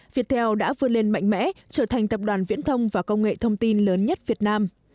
viettel đã vươn lên mạnh mẽ trở thành tập đoàn viễn thông và công nghệ thông tin lớn nhất việt nam